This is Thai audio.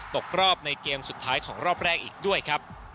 ตกรอบในเกมสุดท้ายของรอบแรกอีกด้วยครับ